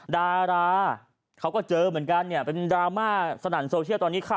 ดาราเขาก็เจอเหมือนกันเนี่ยเป็นดราม่าสนั่นโซเชียลตอนนี้ค่ะ